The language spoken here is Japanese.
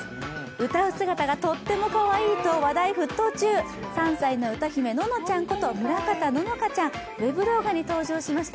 歌う姿がとってもかわいいと話題沸騰中３歳の歌姫・ののちゃんこと、村方乃々佳ちゃん。ウェブ動画に登場しました。